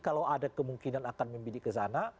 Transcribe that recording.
kalau ada kemungkinan akan membidik ke sana